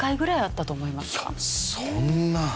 そんな。